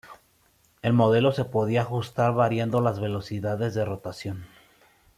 El modelo se podía ajustar variando las velocidades de rotación.